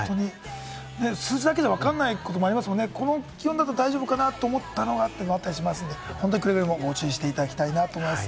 数字だけじゃわかんないこともありますもんね、この気温だと大丈夫かなって思ったのがというのもあったりしますので、くれぐれもご注意いただきたいなと思います。